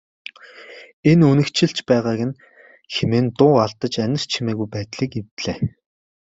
Энэ үнэгчилж байгааг нь хэмээн дуу алдаж анир чимээгүй байдлыг эвдлээ.